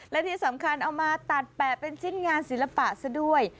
และที่สำคัญเอามาตัดแปะเป็นชิ้นงานศิลปะซะด้วย